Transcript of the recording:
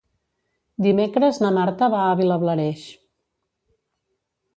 Dimecres na Marta va a Vilablareix.